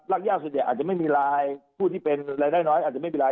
รากยากสุดเนี่ยอาจจะไม่มีไลน์ผู้ที่เป็นรายได้น้อยอาจจะไม่มีไลน์